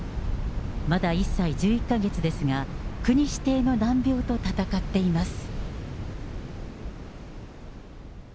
まだ１歳１１か月ですが、国指定の難病と闘っています。